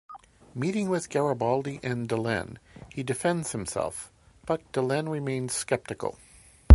Meeting with Garibaldi and Delenn, he defends himself, but Delenn remains skeptical.